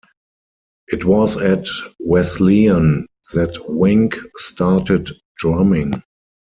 It was at Wesleyan that Wink started drumming.